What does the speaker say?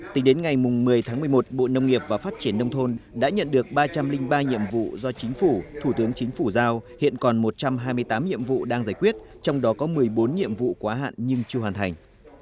tính đến ngày một mươi tháng một mươi một bộ nông nghiệp và phát triển nông thôn đã nhận được ba trăm linh ba nhiệm vụ do chính phủ thủ tướng chính phủ giao hiện còn một trăm hai mươi tám nhiệm vụ đang giải quyết trong đó có một mươi bốn nhiệm vụ quá hạn nhưng chưa hoàn thành